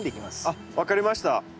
あっ分かりました。